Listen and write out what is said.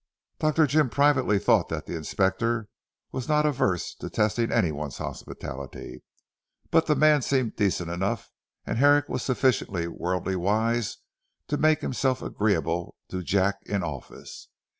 Dr. Jim privately thought that the Inspector was not averse to testing anyone's hospitality: but the man seemed decent enough, and Herrick was sufficiently worldly wise to make himself agreeable to Jack in Office.